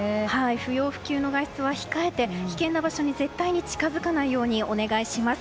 不要不急の外出は控えて危険な場所に絶対に近づかないようお願いします。